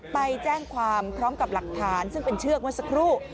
ไปแจ้งความพร้อมกับหลักฐานซึ่งเป็นเชือกเมื่อสักครู่